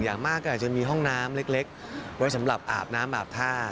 อย่างมากก็อาจจะมีห้องน้ำเล็กไว้สำหรับอาบน้ำอาบท่า